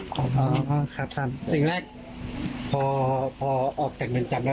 ก็เข้าพ้นร้อยแล้วก็ดีใจกัน